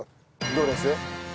どうです？